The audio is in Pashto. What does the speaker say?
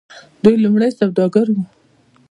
دوی لومړی سوداګر وو.